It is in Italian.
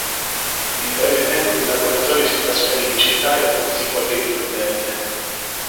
In breve tempo il laboratorio si trasferì in città e acquisì qualche dipendente.